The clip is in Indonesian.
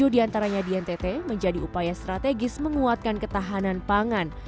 tujuh diantaranya di ntt menjadi upaya strategis menguatkan ketahanan pangan